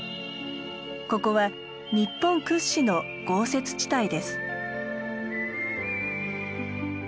ここは日本屈指の豪雪地帯です。